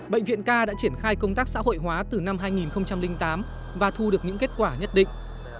bệnh viện k đã triển khai công tác xã hội hóa từ năm hai nghìn tám và thu được những kết quả nhất định